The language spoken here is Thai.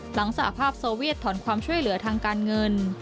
สหภาพโซเวียตถอนความช่วยเหลือทางการเงิน